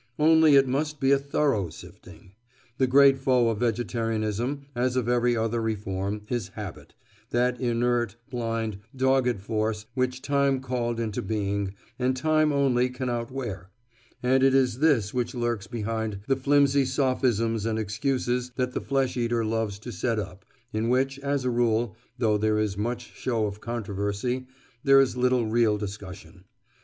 Only it must be a thorough sifting. The great foe of vegetarianism, as of every other reform, is habit—that inert, blind, dogged force which time called into being, and time only can outwear—and it is this which lurks behind the flimsy sophisms and excuses that the flesh eater loves to set up, in which, as a rule, though there is much show of controversy, there is little real discussion.